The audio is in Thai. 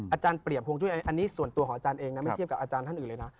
อาจารย์เปรียบห่วงจุ้ยอันนี้ส่วนตัวของอาจารย์เองนะไม่เทียบกับอาจารย์ท่านอื่นเลยนะ